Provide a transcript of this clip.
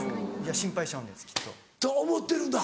心配しちゃうんですきっと。と思ってるんだ。